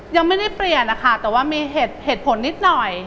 ยังไม่ได้เปลี่ยนนะคะแต่ว่ามีเหตุผลนิดหน่อย